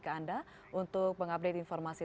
ke anda untuk mengupdate informasi